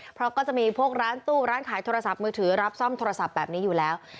เพราะก็จะมีพวกร้านตู้ร้านขายโทรศัพท์มือถือรับซ่อมโทรศัพท์แบบนี้อยู่แล้ว